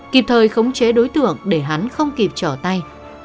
kịp thời khống chế đối tượng để hắn không kịp trở tay